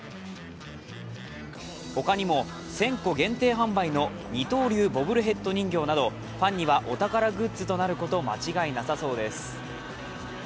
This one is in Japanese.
他にも１０００個限定販売の二刀流ボブルヘッド人形などファンにはお宝グッズとなること間違いなさそうです。